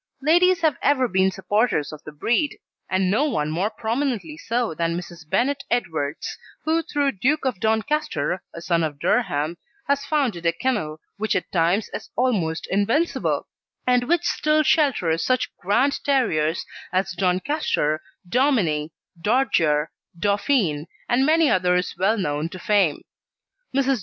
Ladies have ever been supporters of the breed, and no one more prominently so than Mrs. Bennett Edwards, who through Duke of Doncaster, a son of Durham, has founded a kennel which at times is almost invincible, and which still shelters such grand terriers as Doncaster, Dominie, Dodger, Dauphine, and many others well known to fame. Mrs.